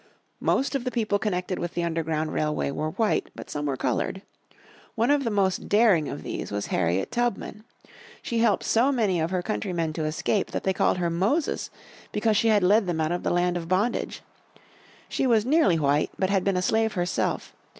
Most of the people connected with the underground railroad were white, but some were coloured. One of the most daring of these was Harriet Tubman. She helped so many of her countrymen to escape that they called her "Moses" because she had led them out of the land of bondage. She was nearly white, but had been a slave herself.